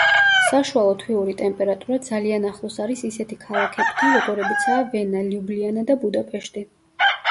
საშუალო თვიური ტემპერატურა ძალიან ახლოს არის ისეთი ქალაქებთან, როგორებიცაა: ვენა, ლიუბლიანა და ბუდაპეშტი.